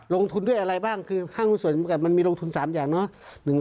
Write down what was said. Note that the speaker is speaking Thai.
ลงทุนด้วยอะไรบ้างคือห้างคุณสวยมีลงทุน๓อย่าง